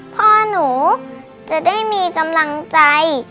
พ่อหนูจะได้มีกำลังใจ